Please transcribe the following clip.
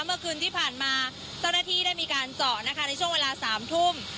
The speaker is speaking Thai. เมื่อคืนที่ผ่านมาเจ้าหน้าที่ได้มีการเจาะนะคะในช่วงเวลา๓ทุ่ม